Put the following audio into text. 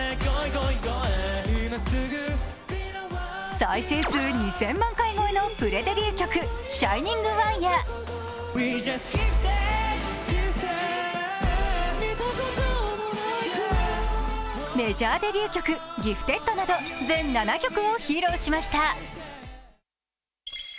再生数２０００万回超えのデビュー曲「ＳｈｉｎｉｎｇＯｎｅ」やメジャーデビュー曲「Ｇｉｆｔｅｄ」など全７曲を披露しました。